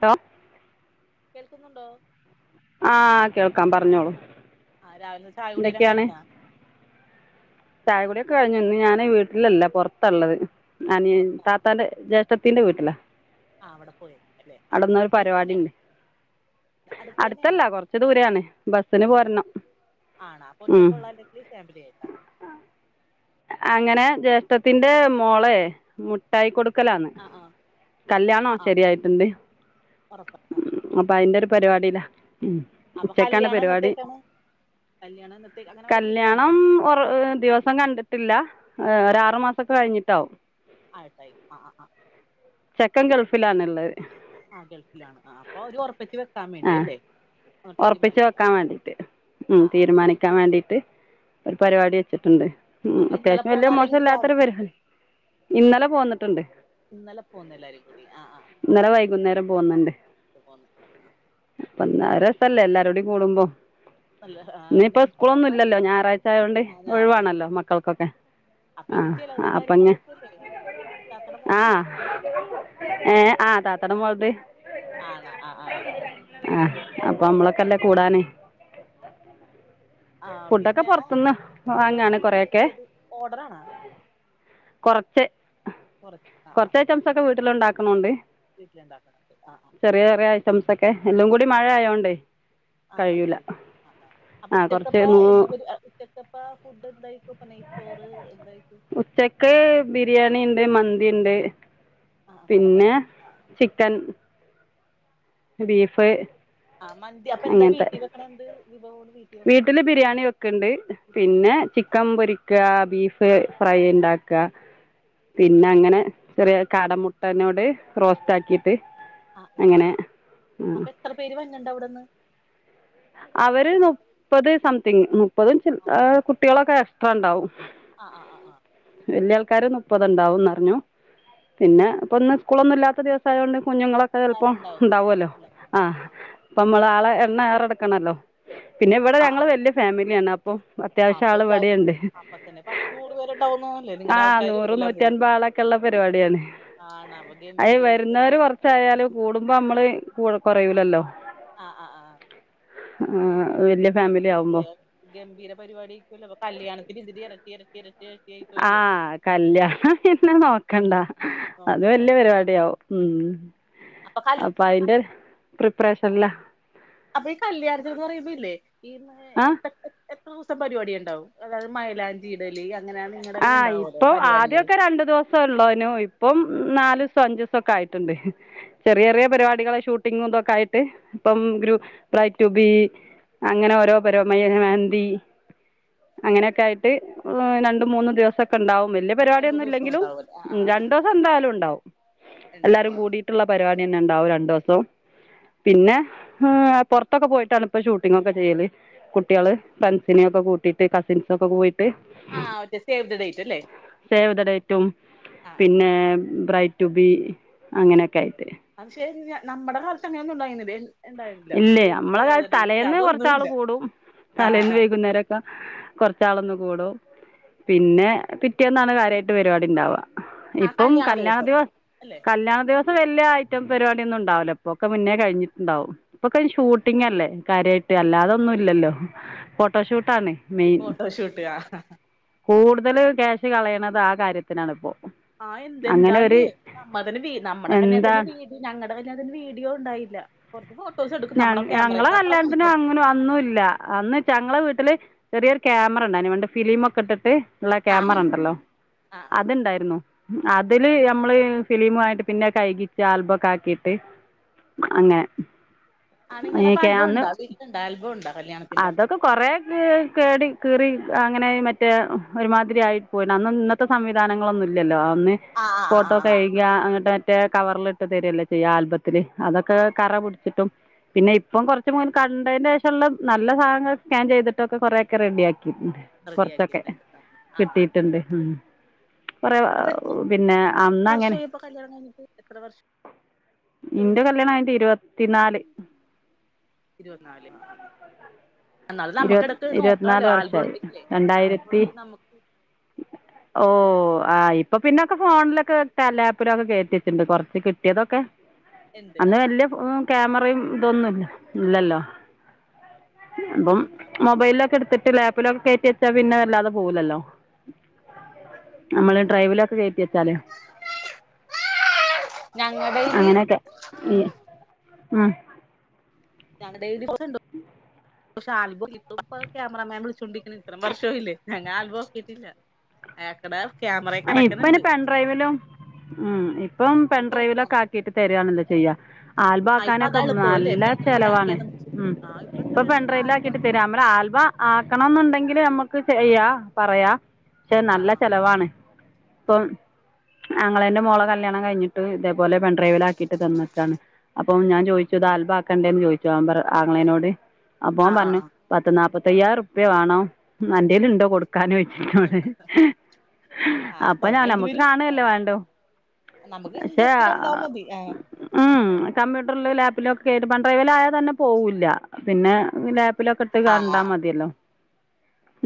To കേൾക്കുന്നുണ്ടോ ആഹ് കേൾക്കാം പറഞ്ഞോളൂ ആഹ് രാവിലെ ചായ കുടി എല്ലാം കഴിഞ്ഞ ചായകുടിയൊക്കേ കഴിഞ്ഞു ഞാന് വീട്ടിലല്ല പുറത്താ ള്ളത് ഞാന് പുറത്താണ് ത്താന്റെ ജ്യേഷ്ഠത്തിന്റെ വീട്ടില ആഹ് അവിടെ പോയ അല്ലെ ആ അടുത്തന്നെണോ പരിപാടിണ്ട് അടുത്തല്ല കൊറച്ച് ദൂരാണ് ബസ്സിന് പോരണം ആണാ അപ്പൊ ഉം ഒറ്റക്കോള്ളൊ അല്ലെങ്കില് ഫാമിലി ആയിട്ട അങ്ങനെ ജ്യേഷ്ഠത്തിന്റെ ഓക്കെ മോളേ മുട്ടായി കൊടുക്കലന്ന് ആ ആ കല്യാണോ ആ ആ ശരിയായിട്ടുണ്ട് ഉറപ്പാ ആ ഉ അപ്പൊ അതിന്റെ ഒരു പരിപാടില്ല ഉ അപ്പൊ ഉച്ചക്കാണ് കല്യാണം പരിപാടി എന്നത്തേക്കാണ് കല്യാണം എന്നത്തേക്ക് അങ്ങനെ വല്ല തീരുമാനിച്ച കല്യാണം ഒറ ദിവസം ദിവസം കണ്ടിട്ടില്ല ആ ഒരാറു മാസൊക്കെ കഴിഞ്ഞിട്ടാവും ആ ടൈപ്പ് ആ ആ ആ ചെക്കൻ ഗൾഫിലാാണ് ഉള്ളത് ആഹ ഗൾഫിലാണ് അപ്പൊ ഒരു ഉറപ്പിച്ച് വെക്കാൻ വേണ്ടിയല്ലേ ഒറപ്പിച്ച് വെക്കാ വേണ്ടീട്ട് ഉം ആ ആ തീരുമാനിക്കാൻ വേണ്ടീട്ട് ഒര് പരിവാടി വെച്ചിട്ടുണ്ട് ഉം അപ്പൊ ഇന്നലെ അത്യാവശ്യം പോന്ന വല്യ അല്ലെങ്കിൽ ഇന്ന് രാ- മോശല്ലാത്തരു പരിവാടി ഇന്നലെ പോന്നിട്ടുണ്ട് ഇന്നലെ പോന്നു എല്ലാരും കൂടി ആഹ് ഇന്നലെ വൈകുന്നേരം ആഹ് പോന്നു ആഹ് അപ്പൊന്നാ രസല്ലേ എല്ലാരൂടീം കൂടുമ്പൊ നല്ല ആ, പിന്നെ ഇഞ്ഞിപ്പോ ഇത് സ്കൂളൊന്നും അപ്പൊ ഇല്ലല്ലോ ഞായറാഴ്ച ആയോണ്ട് ആ, ഞായറാഴ്ച ഒഴിവാണല്ലോ മക്കൾക്കൊക്കെ അപ്പൊ ഇനി ആഹ ചെലവും അപ്പൊങ്ങ കാര്യങ്ങളൊക്കെ ഇല്ലേ ഇത്താത്തടെ ആഹ മോൾക്കില്ലേ ഏഹ് ആഹ് താത്തട മോളത് ആണോ ആഹ് ആഹ് അപ്പ അമ്മളൊക്കല്ലേ കൂടാന് ആ ഫുഡൊക്കെ പിന്നെ പൊറത്ത്ന്ന് ഫുഡ് വാങ്ങാണ് കൊറേയൊക്കെ ഏത് ഓർഡറാണാ കൊറച്ച് കൊറ ആഹ് ആഹ് കൊറച്ചംസൊക്കെ വീട്ടില് ഇണ്ടാക്ക്ണണ്ട് വീട്ടിലുണ്ടാക്കുന്നുണ്ട് ആ ആ ചെറിയ ചെറിയ ഐറ്റംസൊക്കെ എല്ലാം കൂടി മഴ ആയോണ്ടെയ് ആഹ് പറ്റും ആഹ് ആഹ് അപ്പൊ കുറച്ച് ഉച്ചക്കപ്പൊ എന്ത് ഉച്ചക്കപ്പൊ ഫുഡ് എന്തയ്ക്കും നെയ് ചോറ് എന്തായ്ക്കും ഉച്ചക്ക് ബിരിയാണിണ്ട് മന്തിണ്ട് ആ ആ, പല പല പിന്നെ ചിക്കൻ ബീഫ് ആഹ് മന്തി അപ്പൊ എന്താ വീട്ടിൽ വെക്കണ എന്ത് വിഭവാണ് വീട്ടി വീട്ടില് ബിരിയാണി വെക്ക്ണ്ട് പിന്നെ വെക്കണ ചിക്കൻ പൊരി ക്ക ബീഫ് ഫ്രൈ ഇണ്ടാക്ക പിന്നെ അങ്ങനെ ചെറിയ കാട മുട്ടനോട് റോസ്റ്റ് ആക്കീട്ട് ആഹ് ആഹ് അപ്പൊ എത്ര പേര് വര്ന്ണ്ട് അവിടെന്ന് അവര് ചെക്കന്റെ വീ നുപ്പത് സംതിങ് ഉം മുപ്പതും ചില്ല ഏഹ് കുട്ടികളൊക്കെ എക്സ്ട്രാ ണ്ടാവും ആഹ് ആഹ് ആഹ് ആഹ് വല്യ ആൾക്കാര് നുപ്പത് ഇണ്ടാവുംന്നറഞ്ഞു പിന്നെ ഇപ്പൊ ഇന്ന് സ്കൂളൊന്നും സ്കൂളൊന്നും ഇല്ലാത്ത ദിവസായോണ്ട് കുഞ്ഞുങ്ങളൊക്കെ ചെൽപ്പോ പിള്ളേരുണ്ടാവും ആ ണ്ടാവോല്ലോ പിള്ളേരുണ്ടാവും ആഹ് ആ അപ്പമ്മള് ആളെ എണ്ണം ഏറെട്ക്കണല്ലോ പിന്നെ ഇവിടെ ആ ആ ഞങ്ങള് വല്യ ഫാമിലിയാണ് അ അപ്പൊ അത്യാവശ്യം അപ്പൊ ആള് എല്ലാരും ഉണ്ട് ഇവടീണ്ട് അപ്പൊ തന്നെ പത്ത് നൂറ് പേരുണ്ടാവുന്നല്ലേ നിങ്ങടെ ആഹ് ആൾക്കാരും നൂറ് എല്ലാം കൂടി നൂറ്റൻപത് ആള് ക്കെള്ള പരിവാടിയാണ് [unintelligible] അയ്ന് വരുന്നവര് കൊറച്ചായാലും കൂടുമ്പോ അമ്മള് കുറയൂലല്ലോ ആഹ് ആഹ് ആഹ് ആഹ് വല്യ ഫാമിലി ആവുമ്പോ അല്ലേ ഗംഭീര പരിവാടി ആയിക്കോല്ലോ കല്യാണത്തിന് ഇതിന്റീം എരട്ടി എരട്ടി എരട്ടി ആഹ് കല്യാണം പിന്നെ നോക്കണ്ട അത് നോക്കണ്ട വല്യ പരിവാടി ആവും ഉം അപ്പൊ അയിന്റെ പ്രിപ്പറേഷനൻലാ അപ്പൊ ഈ കല്യാണത്തിന് ന്ന് പറയുമ്പോല്ലേ ഈ ആ [unintelligible] എത്ര ദൂസത്തെ പരിവാടിയ്ണ്ടാവും അതായത് മൈലാഞ്ചി ഇടല് അങ്ങനെയ ആഹ് ഇപ്പൊ ആദ്യൊക്കെ രണ്ട് ദിവ സൊ ഉള്ളോനോ ഇപ്പം നാലൂസം അഞ്ചൂസൊക്കെ ആയിട്ട്ണ്ട് ചെറിയ റിയ പരിപാടികളെ ഷൂട്ടിങ്ങുതൊക്കെ ആയിട്ട് ഇപ്പം ഗ്രൂ ബ്രൈ ടു ബി അങ്ങനെ ഓരോ പരമമായി ഏഹ് മെഹന്തി അങ്ങനെയൊക്കെ ആയിട്ട് [unintelligible] രണ്ടും മൂന്നും ദിവസൊക്കെണ്ടാവും വെല്യ രണ്ടു മൂന്ന് പരിവാടിയൊന്നും ദിവസം ഇല്ലെങ്കിലും ഉണ്ടാവുമല്ലോ ആ ആ ഉം ആ രണ്ടാേ അത് എന്തായാലും ഇണ്ടാവും ഉണ്ടാവും എല്ലാരും ആ കൂടിയ്ട്ട്ള്ള പരിവാടിന്നെ ഇണ്ടാവും രണ്ടാേസം പിന്നെ ഹ് പൊർത്തൊക്കെ പോയിട്ടാണ്ലാെ ഇപ്പൊ ഷൂട്ടിങ്ങൊക്കെ ചെയ്യല് കുട്ടിയേള് ഫ്രണ്ട്സിനെയൊക്കെ കൂട്ടീട്ട് കസിൻസൊക്കെ കോയിട്ട് ആഹ് ഒറ്റെ സേവ് ദ ഡേറ്റെല്ലേ സേവ് ദ ഡേറ്റും പിന്നെ ബ്രൈറ്റുബി അങ്ങനെയൊക്കെ ആയിട്ട് അത് ശരിയന്നെ നമ്മടെ കാലത്ത് അങ്ങനൊന്നും ഉണ്ടായിന്നത് ഇല്ലൈ അമ്മള കാലത്ത് തലേന്ന് കാെറച്ചാള് അതൊന്നുമില്ല കൂടും ആ ആ തലേന്ന് ആ വൈകുന്നേരം ക്ക കൊറച്ചാളൊന്ന് കൂടും പിന്നെ പിറ്റേന്നാണ് കാര്യായിട്ട് പരിവാടി ഇണ്ടാവാ ആ ഇപ്പം കല്യാണ ദിവസം ദിവസ് അല്ലെ കല്യാണ ദിവസ് സ് വല്യാ ഐറ്റം പരിപടിയൊന്നും ഇണ്ടാവൂല ഇപ്പാെ ഒക്കെ മുന്നേ കഴിഞ്ഞ്ട്ട്ണ്ടാവും ഇപ്പൊക്കൈന് ഷൂട്ടിങ്ങല്ലേ കാര്യയിട്ട് അല്ലാതാെന്നും ഇല്ലല്ലോ ഫോട്ടോഷൂട്ടാന്നേ ഫോട്ടോഷൂട്ട് ആഹ് ഹ ഹ കൂടുതൽല് ക്യാഷ് കളയണത് ആഹ് കാര്യത്തിനാണ് ഇപ്പോ ആഹ് എന്തെ എന്താലേ നമ്മതെന്നെ വീ നമ്മടെ കന്യാസന്റെ എന്താ തന്നെ വീട് ട് ഞങ്ങൾടെ വെല്യാണത്തിന്റ വീഡിയോ ഉണ്ടായില്ല കൊറച്ച് ഫോട്ടോ ഞങ്ങ് ഞങ്ങളെ കല്യാൺത്തിനും അങ്ങനും അന്നും ഇല്ല അന്ന് ചങ്ങളെ വീട്ട്ല് ചെറിയൊര്ക്യാമറ ഇണ്ടായിന് വണ്ട് ഫിലിമാെക്കെ ഇട്ട്ട്ട് ഇള്ള ആ ക്യാമറ ഇണ്ടല്ലോ ആ ആ അത് ആ ഇണ്ടായിരുന്നു അതില് അമ്മള് ഫിലിംമ്വായിട്ട് പിന്നെ കൈകിച്ച് ആൽബൊക്കെ ആക്കിട്ട് അങ്ങനെ ആഹ് നിങ്ങളെപ്പ ആൽബും അന്ന് ഉണ്ടാേ വീട്ടില് ഇണ്ടോ ആൽബും ഉണ്ടാേ കല്യാണ അതൊക്കെ കാെറേ ക് കേടി കീറി അങ്ങനെ മറ്റേ ഒരുമാതിരി ആയി പോയിണഅന്നാെൻ ഇന്നത്തെ സംവിധാനങ്ങളൊന്നും ഇല്യല്ലോ അന്ന് ആ ആ ആ ഫോട്ടോ ആ ആ കെഴ്കിയാ അങ്ങട്ട് മറ്റേ കവർല്ട്ട് തെര്യല്ലെ ചെയ്യാ ആൽബത്തില് അതൊക്കെ കറ പുട്ച്ചിട്ടും പിന്നെ ഇപ്പം കൊറച്ച് മാേൻ കണ്ടൈന്റെ ഏഷള്ളത് നല്ല സാധങ്ങള് സ്കാൻ ചെയ്ത്ട്ടൊക്കെ കൊറെ എക്കെ റെഡിയാക്കി ഉം കൊർച്ചൊക്കെ റെഡിയാക്കിയിട്ടുണ്ട് ആ ആ ആ കിട്ടിയിട്ട്ണ്ട് ഉം കൊറെ അപ്പൊ എത്ര പിന്നെ അന്നഅങ്ങനെ വർഷമായി ഇപ്പൊ കല്യാണം കഴിഞ്ഞിട്ട് എത്ര വർഷമായി ഇന്റെ കല്യാണം കഴിഞ്ഞ്ട്ട് ഇരുവത്തിനാല് ഇരുവത്നാല് ആഹ് ആഹ് എന്നാലും ഇരുപത് നമക്കെക്ക് ഇത് നോക്കാലോ ഇരുപത്തിനാല് ആൽബും വർഷമായി ഇണ്ടെങ്കിലേ ആൽബും രണ്ടായിരത്തി ഇണ്ടെങ്കി നമുക്ക് ഓ ആഹ് ഇപ്പൊ പിന്നൊക്ക ഫോൺലൊക്കെ വെ തെ ലാപ്പിലൊക്കെ കേറ്റിവെച്ച്ണ്ട് കൊറച്ച് കിട്ടിയതൊക്കെ ഉണ്ട് അന്ന് ആ വെല്യ ഫോം ക്യാമറയും ഇതൊന്നും ഇല്യ ഇല്ലല്ലോ ആഹ് മൊബൈലൊക്കെ ഇട്ത്ത്ട്ട് ലാപ്പിലൊക്കെ കേറ്റി വെച്ചാ പിന്നെ വെല്ലാതെ പോവൂലല്ലോ നമ്മള് ഡ്രൈവിലൊക്കെ കേറ്റി വെച്ചാല് ഞങ്ങള് അങ്ങനെയെക്കെ ഈ ഉം ഞങ്ങള ഡെെഡി ഉണ്ട് പക്ഷെ ആൽബും ലിപ്പും ഇപ്പത് ക്യാമറമേൻ വിളിച്ചോണ്ടിരിക്ക്ണേണ് ഇത്രം വർഷോ ആയില്ലേ ഞാൻ ആൽബം ഓക്കീട്ട്ല്യ ഏക്കട അഇപ്പൈന് പെൻഡ്രൈവിലും ഉം ഇപ്പം നമുക്ക് പെൻഡ്രൈവിലൊക്കെ ആക്കിട്ട് തെര്യാണല്ലോ ചെയ്യാ ആ ഇപ്പൊ ആൽബാക്കാനൊക്കെ അതാ എളുപ്പം അല്ലേ നല്ല പെൺഡ്രൈവിൽ ആക്കിയാ ചെലവാണ് നമുക്ക് ഉം ആ ഇപ്പൊ എത്രയാണ് ഒരു പെൺട്രൈവില് ആൽബം ആക്കിട്ട് തെര്യാ ഇമ്മടെ ആൽബം ആക്കണംന്ന്ണ്ടെങ്കില് അമ്മക്ക് ചെയ്യാ പറയാ ക്ഷെ ആ നല്ല ആ ചെിലവാണ് ഇപ്പം ആങ്ങളേന്റെ മോളെ കല്യാണം കഴിഞ്ഞിട്ട് ഇതേപോലെ പെൺഡ്രൈവിലാക്കിയിട്ട് തന്ന്ക്കാണ് അപ്പം ഞാൻ ചോയിച്ചു ഇത് ആൽബാക്കണ്ടേന്ന് ചോയിച്ചു അവൻ പറ ആങ്ങളെനോട് അപ്പൊൻ ആ ആ പറഞ്ഞു ആ പത്ത് നാല്പ്പത്തയ്യായിറം റുപ്യ വേണം, അന്റെൽ ഇണ്ടോ കൊടുക്ക ക്കാൻ ചോയ്ച്ചു ആ അപ്പൊ അത്ര ഞാൻ വേണ്ടി നമ്മുക്ക് വരും ആ കാണല്ലെ വേണ്ടു നമുക്ക് പക്ഷെ ജസ്റ്റ് കണ്ടാ മതി ആ ഉം കമ്പ്യൂട്ടറലും ലാപ്പിലൊക്കെ കേട്ട് പെൺട്രൈവൽ ആയാ തന്നെ പോവുല്ല പിന്നെ ലാ പ്പിലൊക്കെ ഇട്ട് ആ കണ്ടാൽ മതിയല്ലോ,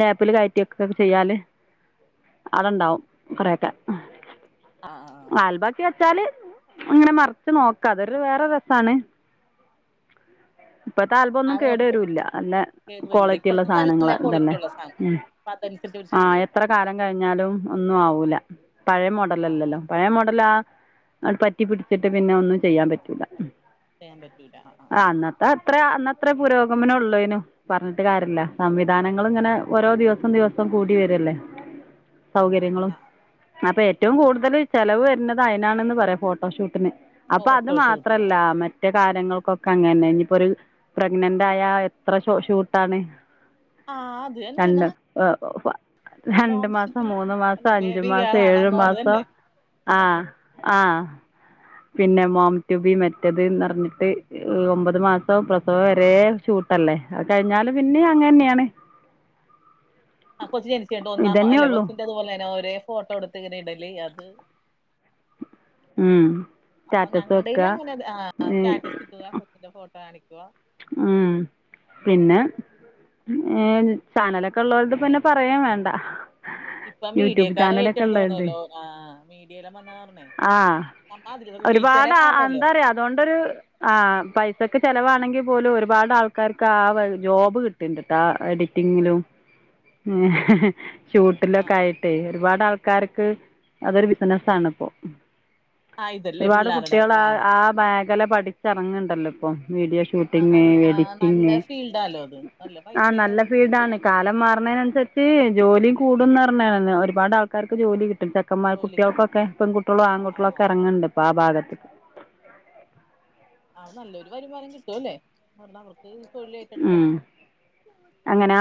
ലാപ്പില് കയറ്റിക്കെക്കെ ചെയ്യാല് അവിടെണ്ടാവും കുറെയൊക്കെ ആഹ് ആഹ് ആൽബാക്കി വെച്ചാല് ഇങ്ങനെ മറച്ച് നോക്കാം, അതൊരു വേറെ രസാണ് ഇപ്പത്തെ ആൽബഒന്നും ആ ആ കേടു വരൂല്ല അല്ല കേട് വരൂല ക്വാളിറ്റി ഉള്ള ഇപ്പഴത്തെ സാധനങ്ങളെ നല്ല ഇതല്ലേ, ക്വാളിറ്റി ഉള്ള സാധനമാണ് ഉം അപ്പൊ അതനുസരിച്ച് അവര് ആ ചെയ്യേ എത്ര കാലം കഴിഞ്ഞാലും ഒന്നും ആവൂല, പഴേ ആഹ് ആഹ് മോഡലല്ലല്ലോ പഴയ മോടല ആ, പറ്റി പിടിച്ചിട്ട് പിന്നെ ഒന്നും ചെയ്യാൻ പറ്റൂല ചെയ്യാൻ പറ്റൂലാ, അ അ ആഹ് അതത്രെ അന്നത്രെ പുരോഗമനേ ഉള്ളൂനൂ പറഞ്ഞിട്ട് കാര്യല്ല, സംവിധാനങ്ങൾ ഇങ്ങനെ ഓരോ ദിവസം ദിവസവും കൂടി വരല്ലേ സൗകര്യങ്ങളും, ആഹ് അപ്പൊ ഏറ്റവും കൂടുതൽ ചെലവ് വരുണത് അയി നാ ണെന്ന് പറയാ ഫോട്ടോഷൂട്ടിന് അപ്പൊ അത് ഫോട്ടോഷൂട്ട് മാത്രല്ല മ റ്റേ കാര്യങ്ങൾക്കൊക്കെ അങ്ങനന്നെ, ഇഞ്ഞിപ്പോ ഒരു പ്രഗ്നന്റ് ആയ എത്ര ഷൂട്ടാണ്. ആഹ് അത് എന്നെ ന്ന്ണ് രണ്ടു മാസം, മൂന്ന് മാസം, അല്ലെ അഞ്ചു ബേബി മാസം, ഗേൾ ആണ് ഏഴു മോള് മാസം തന്നെ ആഹ് ആഹ് പിന്നെ മോം ടു ബി, മറ്റെത്ന്ന് പറഞ്ഞിട്ട് ഒമ്പത് മാസം പ്രസവം വരെ ഷൂട്ടല്ലേ, അത് കഴിഞ്ഞാല് പിന്നിം അങ്ങന്നെയാണ് ആ കൊച്ച ജനചിട്ട് ഒന്നാമ ഇതന്നെ അല്ലെ ഉള്ളൂ കൊചി തുപോലെ തന്നെ ഒരേ ഫോട്ടോ എടുത്ത് ഇങ്ങന ഇടൽ അത് ഉം ആ സ്റ്റാറ്റസ് വെക്കുക ഞങ്ങളടൽ അങ്ങനെ ആ സ്റ്റാറ്റസ് കിട്ടുക, കൊച്ചിന്റെ ഫോട്ടോ കാണിക്കുവാ ഉം പിന്നെ ഏ ചാനലൊക്കെ ഉള്ളോണ്ട് പിന്നെ പറയേ വേണ്ട ഇപ്പൊ യൂട്യൂബ് മീഡിയക്കാര് ചാനലൊക്കെ ഉള്ളവരുടെ ഏറ്റെടുത്തണല്ലോ, ആഹ് മീഡിയയിലും വന്നാ പറഞ്ഞേ ആ നമ്മ അതിൽ ഒരുപാട് എന്താ [unintelligible] പറയുക അതുകൊണ്ടൊരു ആ പൈസക്ക് ചെിലവാണെങ്കിൽ പോലും ഒരുപാട് ആൾക്കാർക്ക് ആ ജോബ് കിട്ടിണ്ട്ട്ടോ ആ എഡിറ്റിങ്ങിലും ഉ ആഹ് ഷൂട്ടിലൊക്കെ ആയിട്ട് ട്ടെ ഒരുപാട് ആൾക്കാർക്ക് അതൊരു ബിസിനസാണ് ഇപ്പോ ആഹ് ഇതല്ലേ ഒരുപാട് പിള്ളേരുടെ കുട്ടികൾ ആ ആഹ് ആ മേഖല പഠിച്ച ഇറങ്ങുണ്ടല്ലോ ഇപ്പൊ വീഡിയോ ഷൂട്ട് ആഹ് ട്ടിങ്, നൽ ആഹ് നല്ല എഡിറ്റിങ് ഫീൽഡാല്ലോ അത് നല്ല ആഹ് പൈസയും നല്ല അത് ഫീൽഡാണ്, കാര്യങ്ങളും കാലം മാർണേയ്ന് അനുസരിച്ച് ജോലി കൂടുന്ന് പറഞ്ഞനല്ലോ, ഒരുപാട് ആൾക്കാർക്ക് ജോലി കിട്ടുംചെ ക്കമാർ ജോലി കിട്ടും കുട്ടികൾക്കൊക്കെ പെൺകുട്ടികളും ആൺകുട്ടി ആഹ് കളൊക്കെ ആഹ് ഇറങ്ങുന്നുണ്ട്പ്പോ ആ ഭാഗത്ത് ആഹ്, നല്ലൊരു വരുമാനം കിട്ടുവല്ലേ എന്ന് പറഞ്ഞ അവർക്ക് തൊഴിൽ ഏറ്റെടുക്കാം ഉം എങ്ങനാ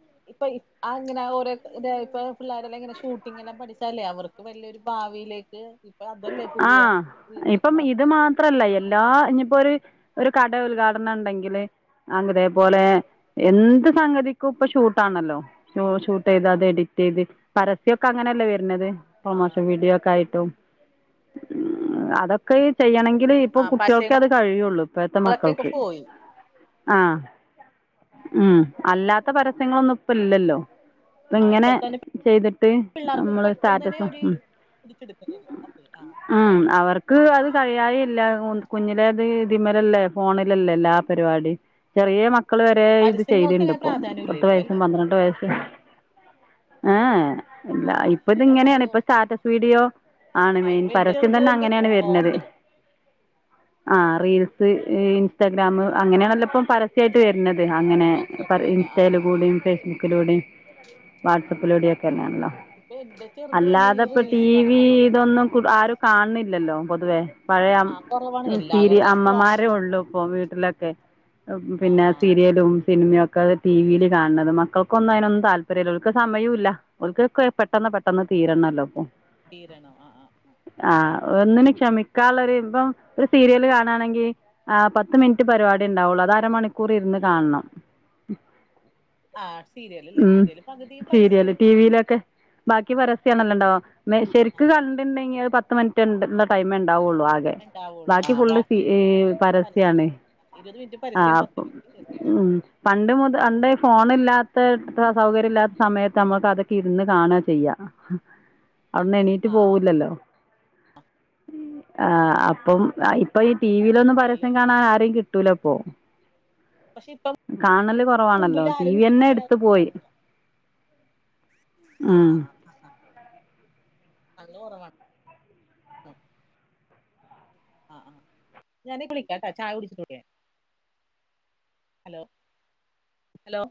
ഉ ഇപ്പൊ അത്ങ്ങന ഓര ഇതാ ഇപ്പ പിള്ളേരെല്ലാം ഇങ്ങനെ ഷൂട്ടിംഗ എല്ലാം പഠിച്ചാല്ലേ അവർക്ക് വലിയൊരു ഭാവിയിലേക്ക് ക്ക് ആഹ് ഇപ്പം ഇത് മാത്രല്ല എ എല്ലാ ഇഞ്ഞിപ്പൊരു ഒരു കട ഉദ്ഘാടനം ഉണ്ടെങ്കില് അതേപോലെ എന്ത് സംഗതിക്കും ഇപ്പൊ ഷൂട്ടാണല്ലോ ഷൂട്ട് ചെയ്ത് അത് എഡിറ്റ് ചെയ്ത് പരസ്യൊക്കെ അങ്ങനെയല്ലേ വരുന്നത്, പ്രമോഷൻ ആഹ് വീഡിയോ ഒക്കെ ആയിട്ടും അതൊക്കെ ഈ ചെയ്യണങ്കി ൽ ഇപ്പൊ ആഹ് കുട്ടികൾക്കെ അത് പശയങ്ങളൊക്കെ കഴിയുള്ളു ഇപ്പഴത്തെ ഇപ്പൊ മക്കൾക്ക് പോയി ആഹ ഉം അല്ലാത്ത പരസ്യങ്ങളൊന്നും ഇപ്പ ഇല്ലല്ലോ ആഹ് ഇങ്ങനെ ഇപ്പോൾ തന്നെ ചെയ്തിട്ട് നമ്മള് സ്റ്റാറ്റസ ഉ പിടിച്ചെടുക്കും ഞെ ഉം അവർക്ക് അത് ആഹ് കഴിയാതല്ല കുഞ്ഞിലെ അത് ഇതിമലല്ലേ ഫോണിലല്ലേല്ലാ പരിപാടി ചെറിയ മക്കള് വരെ ആഹ് ഇത് പരസ്യങ്ങൾക്ക് ചെയ്തിണ്ട് അങ്ങനെ ഇപ്പൊ പ്രാധാന്യം ഇല്ല പത്ത ഇപ്പൊ വയസും അല്ലേ പന്ത്രട്ട വയസ്സും ഏല്ല ഓഹ് ഇപ്പ അയിനാ ഇത്ങ്ങനെയാണ് കാര്യം ഇപ്പൊ സ്റ്റാറ്റസ് വീഡിയോ ആണ് ആഹ് മെയി ഇപ്പൊ എന്റെ പരസ്യം ചെറുത് തന്നെ അങ്ങനെയാണ് വരുന്നത് ആ റീൽസ് ഇൻസ്റ്റാഗ്രാമ് അങ്ങനെയാണലപ്പോ പരസ്യ സ്യായിട്ട് വരുന്നത് അങ്ങനെ വന്നെ ആഹ് ഇൻസ്റ്റയില് ആഹ് ആഹ് കൂടെയും ഫേസ്ബുക്കിലൂടെയും വാട്സപ്പിലൂടെക്കെ തന്നെയണല്ലോ ഇപ്പൊ എന്റെ ചെറുത് തന്നെ ഈ അല്ലാതെപ്പോ ടി റീൽസ് കാണി വി കണ്ടോണ്ടിരിക്കും ഇതൊന്നും ആരും കാണണില്ലല്ലോ പൊതുവേ പഴയ ആഹ് കൊറവാണ് സീരി എല്ലാവരുടെയും ഫോണ് അമ്മമാര ഉള്ളു ഇപ്പൊ വീട്ടിലൊക്കെ ആഹ് പിന്നെ ആഹ് സീരിയലും സിനിമയയുംക്കെ മക്കള് ടിവിയിൽ കാണുന്നത് മക്കൾക്കൊന്നും അതിനൊന്നും താല്പര്യമില്ല ഓൽക്ക് സമയവും ഇല്ല ഓൽക്കൊക്കെ പെട്ടെന്ന് പെട്ടെന്ന് തീരണല്ലോ ഇപ്പൊ തീരണം ആ ആ ആ ആ ഒന്നിന് ക്ഷമിക്കാള്ളൊരു ഇപ്പം ഒരു സീരിയല് കാണാണെങ്കിൽ ആ പത്ത് മിനിറ്റ് പരിപാടി ഉണ്ടാവുള്ളു അത് അരമണിക്കൂർ ഇരുന്ന് കാണണം ആ സീരിയൽ അല്ലേ സീരിയല് പകുതിയും പരസ്യായിരിക്കും ഇതിലൊക്കെ ബാക്കി പരസ്യണല്ലോ ഇണ്ടാവ ശെരിക്ക് ആഹ് കണ്ടിണ്ടെങ്കില് [unintelligible] പത്ത് മിനിറ്റ്ണ്ട് ഇള്ള ടൈമേ ഇണ്ടാവൊള്ളൂ ആ ഇണ്ടാവുള്ളൂ ബാക്കി ആഹ് ഫുള്ള് സീരി ഏ പരസ്യാണ് ഇരുപത് മിനിറ്റ് ആ പരസ്യം പത്ത് അപ്പൊ മിനിറ്റ് ടിവിയില് ഉം പണ്ട് മുത പണ്ട് ഈ ഫോണ് ഇല്ലാത്ത സൗകര്യം ഇല്ലാത്ത സമയത്ത് നമ്മുക്ക് അതൊക്കെ ഇരുന്ന് കാണാ ചെയ്യ അവിടന്ന് എണീറ്റ് ആഹ് ആഹ് പോവൂല്ലല്ലോ ആ അപ്പം ഇപ്പ ഈ ടിവിയിലൊന്നും ഫോണിലല്ലേ പരസ്യം ആഹ് കാണാൻ ആരേം കിട്ടൂല ഇപ്പൊ പക്ഷെ ഇപ്പം കാണല് കുറവാണല്ലോ മുമ്പിൽ ടി ആരും വി തന്നെ എടുത്ത് പോയി ആ ഉം ആ നല്ല കുറവാണ് ആ ആ ഞാനെ ഇപ്പോ വിളിക്കാട്ടാ ചായ കുടിച്ചിട്ട് ഹലോ ഹലോ